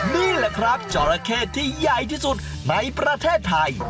นี่แหละครับจราเข้ที่ใหญ่ที่สุดในประเทศไทย